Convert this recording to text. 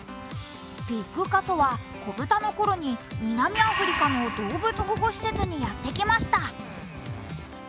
ピッグカソは子豚のこめに南アフリカの動物保護施設にやってきました。